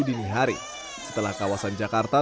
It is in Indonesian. dini hari setelah kawasan jakarta